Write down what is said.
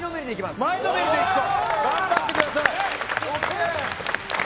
頑張ってください。